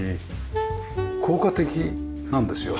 効果的なんですよね？